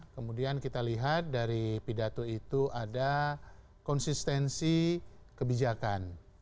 kemudian kita lihat dari pidato itu ada konsistensi kebijakan